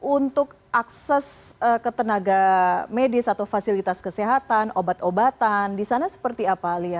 untuk akses ke tenaga medis atau fasilitas kesehatan obat obatan di sana seperti apa lia